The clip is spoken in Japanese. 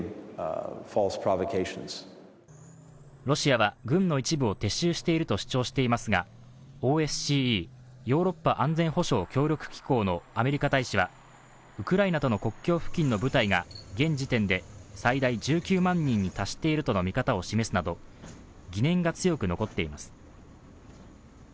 ロシアは軍の一部を撤収していると主張していますが、ＯＳＣＥ＝ヨーロッパ安保協力機構のアメリカ大使はウクライナとの国境付近の部隊が現時点で最大１９万人に達しているとの見方を示すなど、疑念が強く残っています。